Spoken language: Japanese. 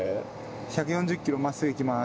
１４０キロ真っすぐいきます。